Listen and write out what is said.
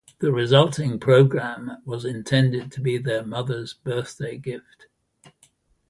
The resulting program was intended to be their mother's birthday gift.